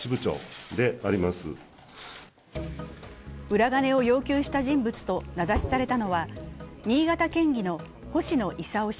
裏金を要求した人物と名指しされたのは、新潟県議の星野伊佐夫氏。